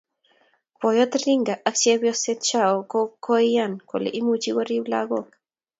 boyot Rhinga ak chepyoset chao ko koian kole imuchi korip langok